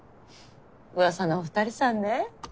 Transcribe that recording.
噂のお二人さんね。